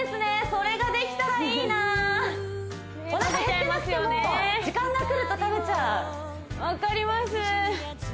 それができたらいいなお腹減ってなくても時間が来ると食べちゃうわかります